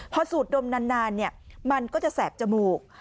พอสูดดมนานมันก็จะแสบจมูก